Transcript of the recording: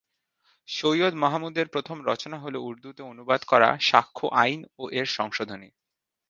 সৈয়দ মাহমুদের প্রথম রচনা হল উর্দুতে অনুবাদ করা সাক্ষ্য আইন ও এর সংশোধনী।